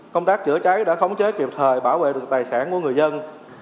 công tác chữa cháy đã khống chế kịp thời bảo vệ được tài sản của người dân